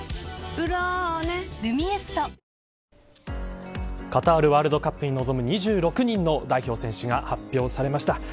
「ブローネ」「ルミエスト」カタールワールドカップに臨む２６人の代表選手が発表されました。